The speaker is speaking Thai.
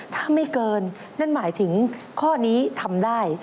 ถ้าไม่เกินนั่นหมายถึงข้อนี้ทำได้